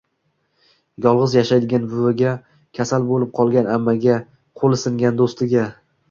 yolg‘iz yashaydigan buviga, kasal bo‘lib qolgan ammaga, qo‘li singan do‘stiga